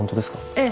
ええ。